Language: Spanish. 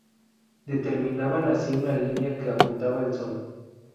Determinaban así una línea que apuntaba al sol.